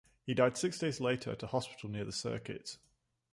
He died six days later at a hospital near the circuit.